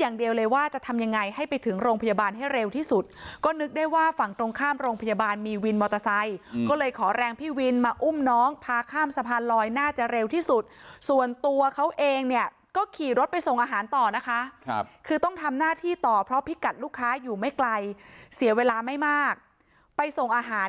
อย่างเดียวเลยว่าจะทำยังไงให้ไปถึงโรงพยาบาลให้เร็วที่สุดก็นึกได้ว่าฝั่งตรงข้ามโรงพยาบาลมีวินมอเตอร์ไซค์ก็เลยขอแรงพี่วินมาอุ้มน้องพาข้ามสะพานลอยน่าจะเร็วที่สุดส่วนตัวเขาเองเนี่ยก็ขี่รถไปส่งอาหารต่อนะคะครับคือต้องทำหน้าที่ต่อเพราะพิกัดลูกค้าอยู่ไม่ไกลเสียเวลาไม่มากไปส่งอาหาร